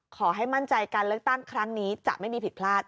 ขอให้มั่นใจการเลือกตั้งครั้งนี้จะไม่มีผิดพลาด